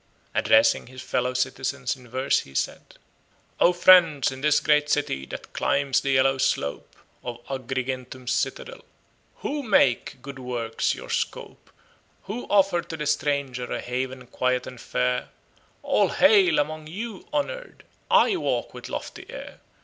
Addressing his fellow citizens in verse he said: "O friends, in this great city that climbs the yellow slope Of Agrigentum's citadel, who make good works your scope, Who offer to the stranger a haven quiet and fair, All hail! Among you honoured I walk with lofty air.